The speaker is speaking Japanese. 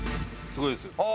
すごいですよ。